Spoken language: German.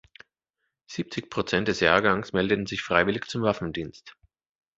Siebzig Prozent des Jahrgangs meldeten sich freiwillig zum Waffendienst.